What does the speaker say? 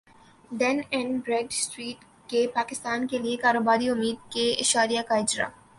done and Bradstreet کے پاکستان کیلیے کاروباری امید کے اشاریہ کا اجرا